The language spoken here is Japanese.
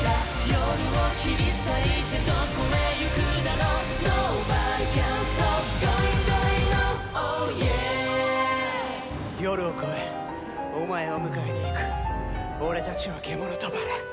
「夜を越えお前を迎えに行く俺達は獣と薔薇」。